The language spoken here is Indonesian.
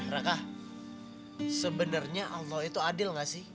raka sebenarnya allah itu adil gak sih